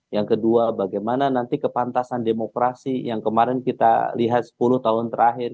yang kedua bagaimana nanti kepantasan demokrasi yang kemarin kita lihat sepuluh tahun terakhir